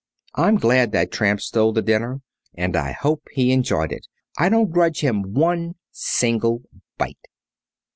I'm glad that tramp stole the dinner and I hope he enjoyed it. I don't grudge him one single bite!"